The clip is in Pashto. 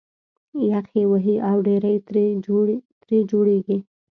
یخ یې وهي او ډېرۍ ترې جوړېږي